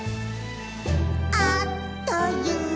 「あっという間に」